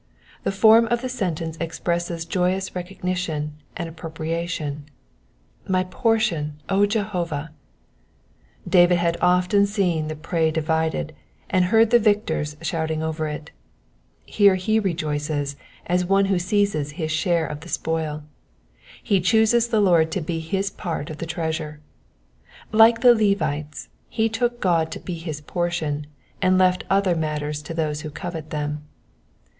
The form of the sentence expresses joyous recognition and appropriation, —My portion, O Jehovah I David had often seen the prey divided, and heard the victors shouting over it ; here he rejoices as one who seizes his share of the spoil ; he chooses the Lord to be his part of the treasure. Like the Levites, he took God to be his portion, and left other matters to those who coveted them.